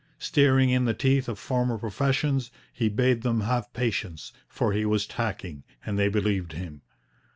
Steering in the teeth of former professions, he bade them have patience, for he was tacking; and they believed him.